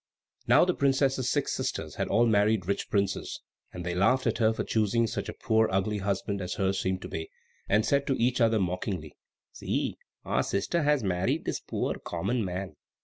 Now the princess's six sisters had all married rich princes, and they laughed at her for choosing such a poor ugly husband as hers seemed to be, and said to each other, mockingly, "See! our sister has married this poor, common man!"